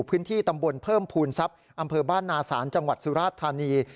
พื้นที่ตำบลเพิ่มภูมิทรัพย์อำเภอบ้านนาศาลจังหวัดสุราชธานี